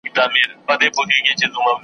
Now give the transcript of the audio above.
چي پېزوان به یې په خره پسي کشیږي .